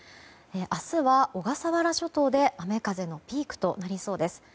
明日は小笠原諸島で雨風のピークとなりそうです。